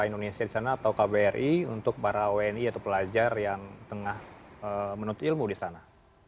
indonesia di sana atau kbri untuk para wni atau pelajar yang tengah menuntut ilmu di sana